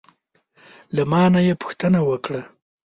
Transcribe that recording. له ما نه یې پوښتنه وکړه: